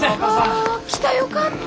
あ来たよかった。